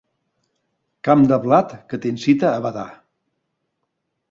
Camp de blat que t'incita a badar.